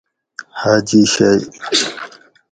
حاجی شئ